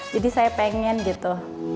jadi saya pengen gitu